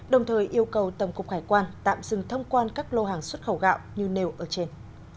đồng thời yêu cầu tổng cục hải quan tạm dừng thông quan các lô hàng xuất khẩu gạo như nêu ở trên